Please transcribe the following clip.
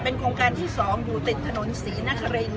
โครงการที่๒อยู่ติดถนนศรีนคริน